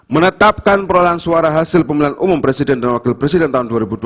menetapkan perolahan suara hasil pemilihan umum presiden dan wakil presiden tahun dua ribu dua puluh